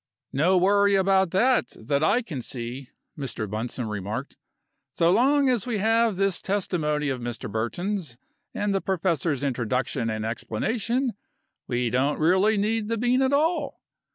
"No worry about that, that I can see," Mr. Bunsome remarked. "So long as we have this testimony of Mr. Burton's, and the professor's introduction and explanation, we don't really need the bean at all.